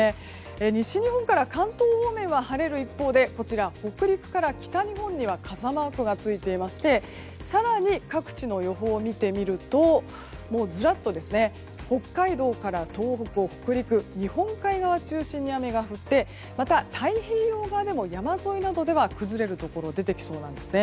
西日本から関東方面は晴れる一方で北陸から北日本には傘マークがついていまして更に各地の予報を見てみるとずらっと北海道から東北、北陸日本海側を中心に雨が降ってまた太平洋側でも山沿いなどでは崩れるところが出てきそうなんですね。